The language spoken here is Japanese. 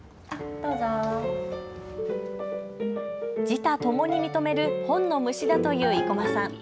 自他ともに認める本の虫だという生駒さん。